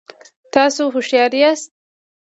تاسو هوښیار یاست